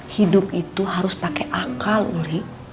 hidup itu harus pakai akal uli